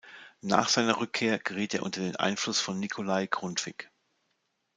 Nach seiner Rückkehr geriet er unter den Einfluss von Nikolai Grundtvig.